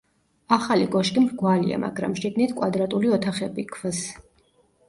ახალი კოშკი მრგვალია, მაგრამ შიგნით კვადრატული ოთახები ქვს.